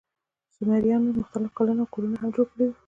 سومریانو مختلف کانالونه او کورونه هم جوړ کړي وو.